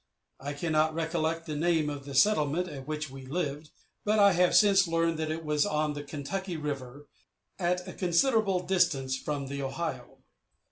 I cannot recollect the name of the settlement at which we lived, but I have since learned it was on the Kentucky River, at a considerable distance from the Ohio.